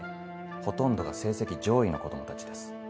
ほとんどが成績上位の子供たちです。